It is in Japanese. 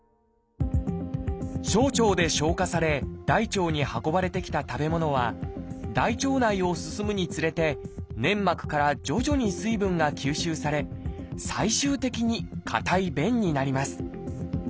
小腸で消化され大腸に運ばれてきた食べ物は大腸内を進むにつれて粘膜から徐々に水分が吸収され最終的に硬い便になります。